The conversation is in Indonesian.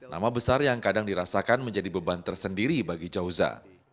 nama besar yang kadang dirasakan menjadi beban tersendiri bagi jauza